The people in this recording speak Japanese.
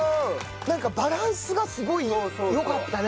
なんかバランスがすごいよかったね。